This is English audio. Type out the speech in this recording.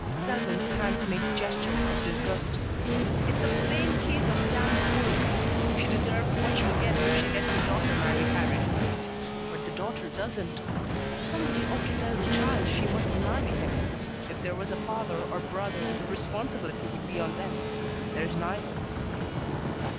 Selwyn's hands made gesture of disgust. "It's a plain case of damned fool. She deserves what she'll get if she lets her daughter marry Harrie. But the daughter doesn't. Somebody ought to tell the child she mustn't marry him. If there was a father or brother the responsibility would be on them. There's neither."